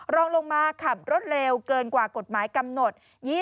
รองลงมาขับรถเร็วเกินกว่ากฎหมายกำหนด